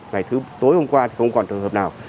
ngày thứ tối hôm qua thì không còn trường hợp nào